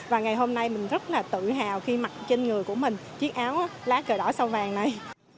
và ngày hôm nay mình rất là tự hào khi mặc trên người của mình chiếc áo lá cờ đỏ sao vàng này